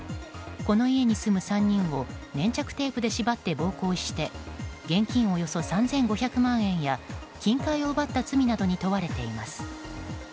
この家に住む３人が粘着テープで縛って暴行して現金およそ３５００万円や金塊を奪った罪などに問われています。